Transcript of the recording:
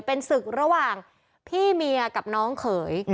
เป็นศึกระหว่างพี่เมียกับน้องเขย